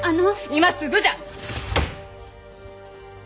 今すぐじゃ！